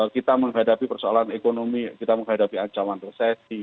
kita menghadapi persoalan ekonomi kita menghadapi ancaman resesi